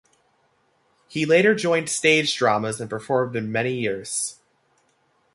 He later joined stage dramas and performed in many years.